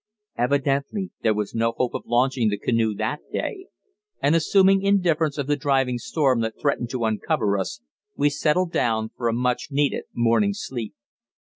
Evidently there was no hope of launching the canoe that day, and assuming indifference of the driving storm that threatened to uncover us, we settled down for a much needed morning sleep.